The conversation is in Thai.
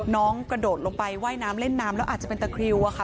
กระโดดลงไปว่ายน้ำเล่นน้ำแล้วอาจจะเป็นตะคริวอะค่ะ